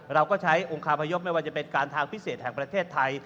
เราก็ใช้องคาพยพไม่ว่าจะเป็นการทางพิเศษแห่งประเทศไทย